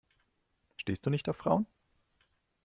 Stehst du nicht auf Frauen?